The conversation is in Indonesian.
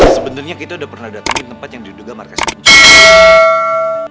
sebenernya kita udah pernah dateng ke tempat yang diduga markas pencuri